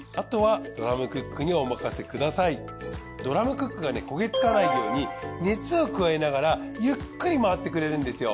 ドラムクックがね焦げつかないように熱を加えながらゆっくり回ってくれるんですよ。